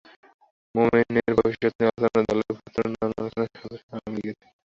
মোমেনের ভবিষ্যত নিয়ে আলোচনা দলের ভেতরেও নানা আলোচনা রয়েছে ক্ষমতাসীন আওয়ামী লীগেও।